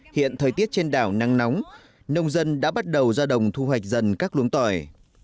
hiện thời tiết trên đảo nắng nóng nông dân đã bắt đầu ra đồng thu hoạch dần các luống tỏi